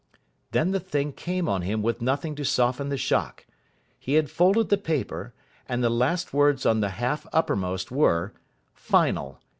Then the thing came on him with nothing to soften the shock. He had folded the paper, and the last words on the half uppermost were, "_Final.